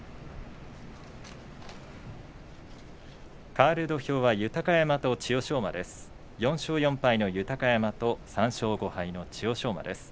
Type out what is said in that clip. かわる土俵は豊山と千代翔馬です。